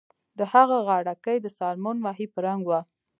د هغه غاړه کۍ د سالمون ماهي په رنګ وه